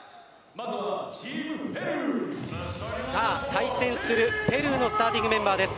対戦する、ペルーのスターティングメンバーです。